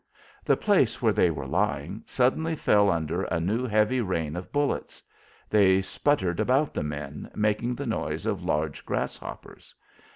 The place where they were lying suddenly fell under a new heavy rain of bullets. They sputtered about the men, making the noise of large grasshoppers.